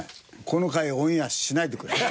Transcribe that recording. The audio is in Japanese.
この回オンエアしないでください。